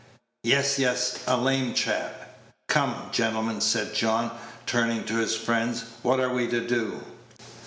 "Yes, yes." "A lame chap." "Come, gentlemen," said John, turning to his friends, "what are we to do?"